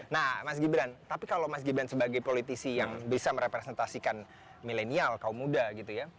nah mas gibran tapi kalau mas gibran sebagai politisi yang bisa merepresentasikan milenial kaum muda gitu ya